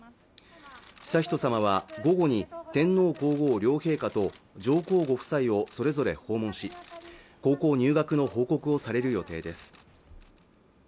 悠仁さまは午後に天皇・皇后両陛下と上皇ご夫妻をそれぞれ訪問し高校入学の報告をされる予定です